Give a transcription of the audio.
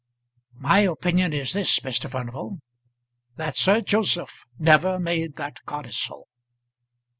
"My opinion is this, Mr. Furnival, that Sir Joseph never made that codicil."